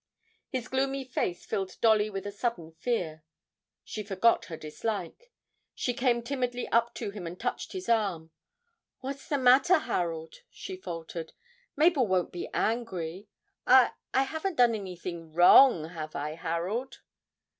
His gloomy face filled Dolly with a sudden fear; she forgot her dislike, and came timidly up to him and touched his arm. 'What's the matter, Harold?' she faltered. 'Mabel won't be angry. I I haven't done anything wrong, have I, Harold?'